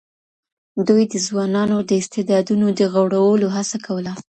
دوی د ځوانانو د استعدادونو د غوړولو هڅه کوله.